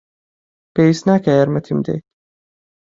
پێویست ناکات یارمەتیم بدەیت.